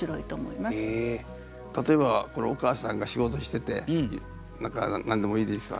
例えばこれお母さんが仕事してて何か何でもいいですわ。